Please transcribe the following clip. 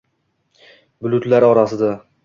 bulutlar orasida